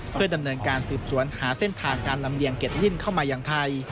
เพื่อดำเนินการสืบสวนหาเส้นทางการลำเลียงเด็ดลิ่นเข้ามาอย่างไทย